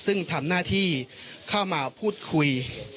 ซึ่งทำหน้าที่เข้ามาพูดคุย